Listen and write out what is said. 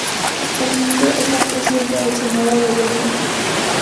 Actualmente es la Presidenta del Senado de Bolivia.